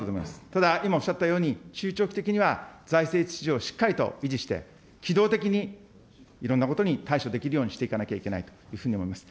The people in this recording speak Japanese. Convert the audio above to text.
ただ、今おっしゃったように、中長期的には財政秩序をしっかりと維持して、機動的にいろんなことに対処できるようにしていかなければいけないと思います。